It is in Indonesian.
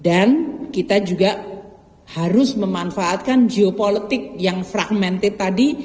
dan kita juga harus memanfaatkan geopolitik yang fragmented tadi